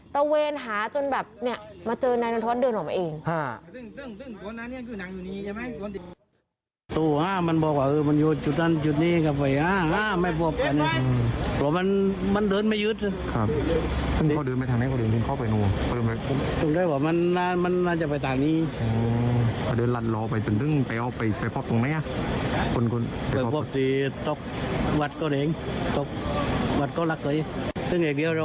แต่เวรหาจนแบบนี่มาเจอนายนันทวัฒน์เดินออกมาเอง